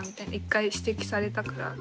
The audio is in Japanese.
１回指摘されたから。